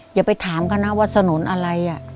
อย่าไปถามกันนะว่าถนนอะไร